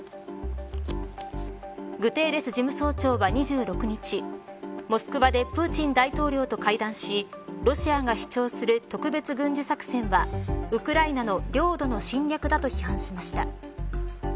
グテーレス事務総長は２６日モスクワでプーチン大統領と会談しロシアが主張する特別軍事作戦はウクライナの領土の侵略だと批判しました。